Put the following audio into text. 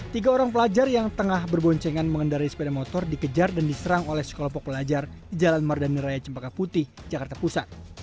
tiga orang pelajar yang tengah berboncengan mengendarai sepeda motor dikejar dan diserang oleh sekelompok pelajar di jalan mardhani raya cempaka putih jakarta pusat